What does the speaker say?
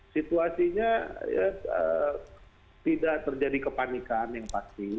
situasinya tidak terjadi kepanikan yang pasti